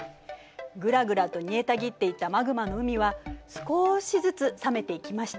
グラグラと煮えたぎっていたマグマの海は少しずつ冷めていきました。